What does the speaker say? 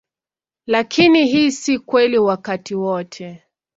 Lakini hii si kweli wakati wote.